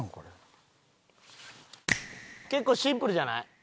結構シンプルじゃない？